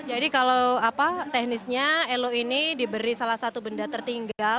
jadi kalau apa teknisnya elo ini diberi salah satu benda tertinggal